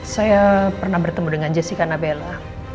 saya pernah bertemu dengan jessica nabella